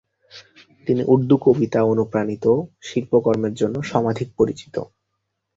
তিনি উর্দু কবিতা-অনুপ্রাণিত শিল্পকর্মের জন্য সমধিক পরিচিত।